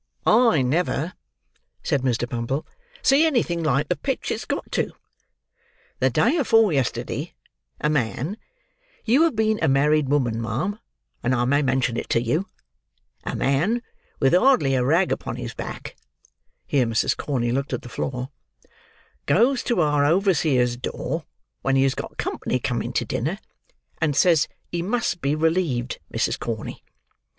"I never," said Mr. Bumble, "see anything like the pitch it's got to. The day afore yesterday, a man—you have been a married woman, ma'am, and I may mention it to you—a man, with hardly a rag upon his back (here Mrs. Corney looked at the floor), goes to our overseer's door when he has got company coming to dinner; and says, he must be relieved, Mrs. Corney.